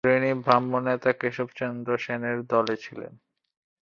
তিনি ব্রাহ্মনেতা কেশবচন্দ্র সেনের দলে ছিলেন।